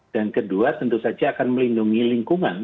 dan kedua tentu saja akan melindungi lingkungan